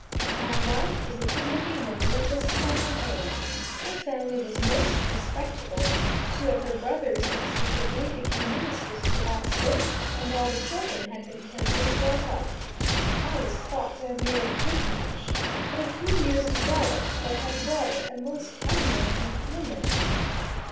My wife was a good looking woman of just my own age; her family was most respectable; two of her brothers subsequently became ministers of the gospel; and all the children had been carefully brought up. I was thought to have made a good match; but a few years developed that had wedded a most unworthy woman.